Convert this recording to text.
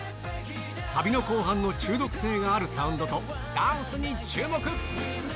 サビの後半の中毒性があるサウンドとダンスに注目。